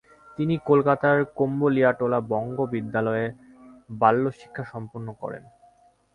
তিনি কলকাতার কম্বুলিয়াটোলা বঙ্গ বিদ্যালয়ে বাল্যশিক্ষা সম্পন্ন করেন।